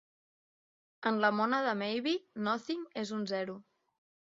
En la mònada Maybe, "Nothing" és un zero.